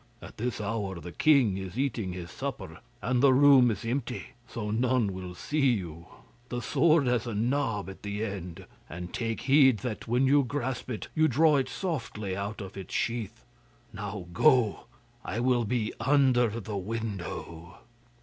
At this hour the king is eating his supper, and the room is empty, so none will see you. The sword has a knob at the end, and take heed that when you grasp it, you draw it softly out of its sheath. Now go! I will be under the window.